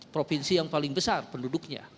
provinsi yang paling besar penduduknya